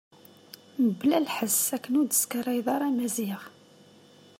Mebla lḥess akken ur d-teskaray ara Maziɣ.